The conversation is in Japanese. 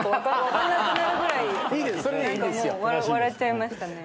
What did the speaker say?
笑っちゃいましたね。